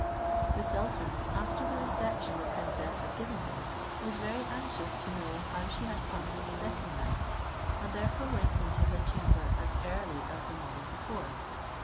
The sultan, after the reception the princess had given him, was very anxious to know how she had passed the second night, and therefore went into her chamber as early as the morning before.